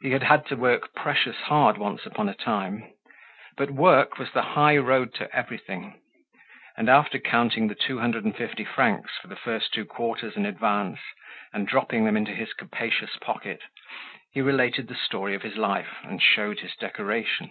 He had had to work precious hard once upon a time. But work was the high road to everything. And, after counting the two hundred and fifty francs for the first two quarters in advance, and dropping them into his capacious pocket, he related the story of his life, and showed his decoration.